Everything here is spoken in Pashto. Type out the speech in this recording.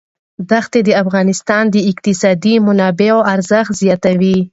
دښتې د افغانستان د اقتصادي منابعو ارزښت زیاتوي.